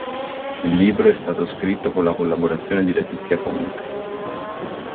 Il libro è stato scritto con la collaborazione di Letizia Conte.